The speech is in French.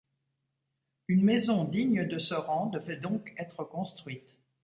Une maison digne de ce rang devait donc être construite.